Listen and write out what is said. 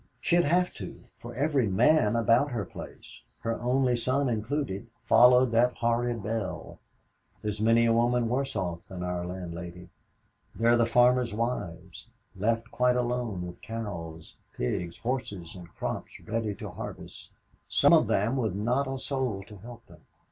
she'll have to, for every man about her place, her only son included, followed that horrid bell. There's many a woman worse off than our landlady. There are the farmers' wives, left quite alone with cows, pigs, horses and the crops ready to harvest some of them with not a soul to help them.